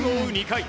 ２回。